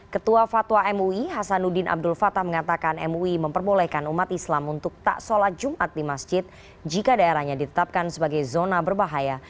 ketua fatwa mui hasanuddin abdul fatah mengatakan mui memperbolehkan umat islam untuk tak sholat jumat di masjid jika daerahnya ditetapkan sebagai zona berbahaya